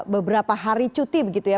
beberapa hari cuti begitu ya